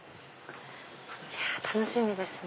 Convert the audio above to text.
楽しみですね。